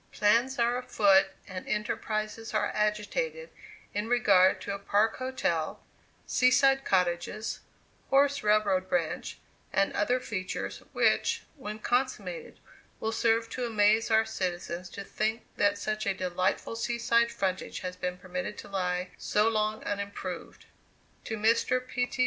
Plans are on foot and enterprises are agitated in regard to a park hotel, sea side cottages, horse railroad branch, and other features, which, when consummated, will serve to amaze our citizens to think that such a delightful sea side frontage has been permitted to lie so long unimproved. To Mr. P. T.